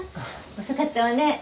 遅かったわね。